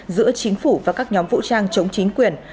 giữa chính phủ và các nhóm vũ trang chống chính quyền